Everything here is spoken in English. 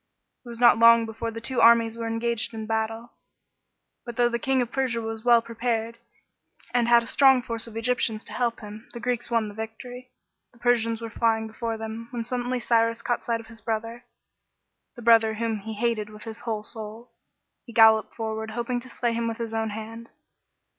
It was not long before the two armies were engaged in battle. But though the King of Persia was well prepared, and had a strong force of Egyptians to help him, the Greeks won the victory. The Persians were flying before them, when suddenly Cyrus caught sight of his brother, the brother whom he hated with his whole soul. He galloped forward, hoping to slay him with his own hand.